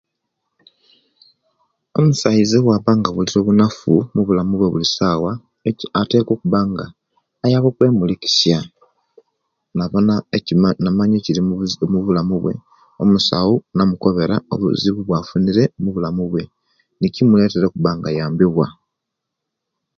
Omusaiza owa'banga awulira bunafu mubulamu bwe buli saawa atekaa okubanga ayaba o'kwaba kwemulisa namaanya ekirimubulamu bwe omusawo namukoba obuzibu owafunire omu'wulamu ne'kimuretera nga ayambiwa